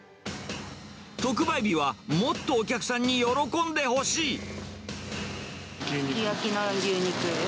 特売日はもっとお客さんに喜んでほしい。